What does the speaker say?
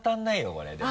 これでも。